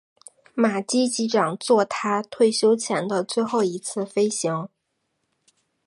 马基机长作他退休前的最后一次飞行。